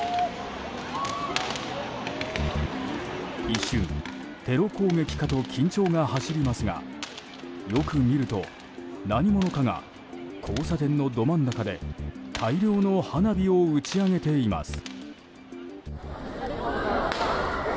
一瞬、テロ攻撃かと緊張が走りますがよく見ると何者かが交差点のど真ん中で大量の花火を打ち上げています。